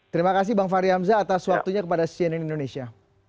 terima kasih bang fahri hamzah atas waktunya kepada cnn indonesia